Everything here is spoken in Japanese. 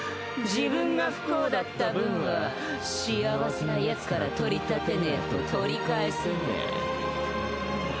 自分が不幸だった分は幸せなやつから取り立てねえと取り返せねえ。